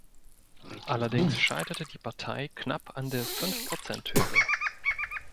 Allerdings scheiterte die Partei knapp an der Fünf-Prozent-Hürde.